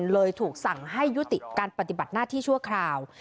เลยถูกสั่งให้ยุติการปฏิบัติหน้าที่ชั่วคราว